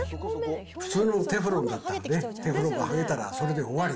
普通のテフロンだったらね、テフロンが剥げたら、それで終わり。